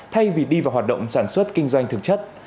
thay vì đi vào hoạt động sản xuất kinh doanh thực chất